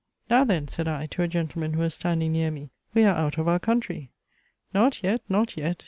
"Now then," (said I to a gentleman who was standing near me,) "we are out of our country." "Not yet, not yet!"